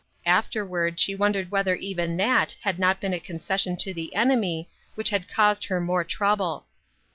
Afterward, she wondered whether even that had not been a concession to the enemy, which had caused her more trouble.